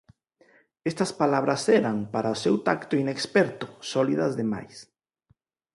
Estas palabras eran, para o seu tacto inexperto, sólidas de mais.